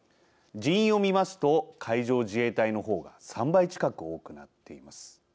人員を見ますと海上自衛隊の方が３倍近く多くなっています。